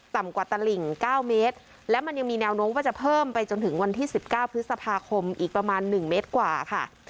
ต่ำกว่าตะหลิ่งเก้าเมตรและมันยังมีแนวโน้มว่าจะเพิ่มไปจนถึงวันที่สิบเก้าพฤษภาคมอีกประมาณหนึ่งเมตรกว่าค่ะ